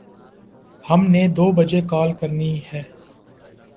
ہم نے دو بجے کال کرنی ہے